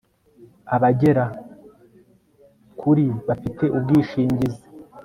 abagera kuri bafite ubwishingizi